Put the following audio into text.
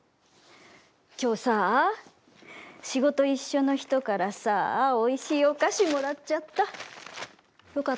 きょうさ、仕事一緒の人からさおいしいお菓子もらっちゃった。